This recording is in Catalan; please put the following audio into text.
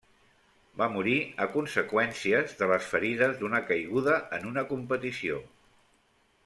Va morir a conseqüències de les ferides d'una caiguda en una competició.